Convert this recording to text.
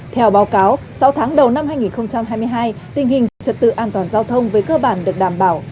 theo báo cáo sáu tháng đầu năm hai nghìn hai mươi hai tình hình trật tự an toàn giao thông với cơ bản được đảm bảo